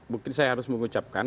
mungkin saya harus mengucapkan